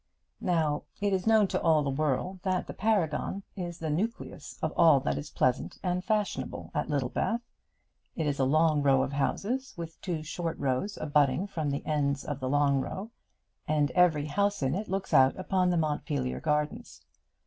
Now it is known to all the world that the Paragon is the nucleus of all that is pleasant and fashionable at Littlebath. It is a long row of houses with two short rows abutting from the ends of the long row, and every house in it looks out upon the Montpelier Gardens.